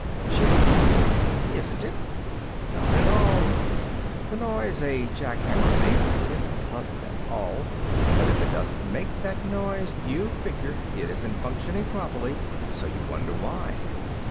She looked puzzled. "Isn't it?" "Not at all. The noise a jackhammer makes isn't pleasant at all, but if it doesn't make that noise, you figure it isn't functioning properly. So you wonder why."